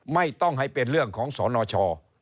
ไม่ต้องให้เป็นเรื่องของสนช